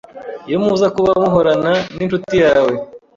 iyo muza kuba muhorana n’inshuti yawe